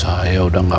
saya udah gak fokus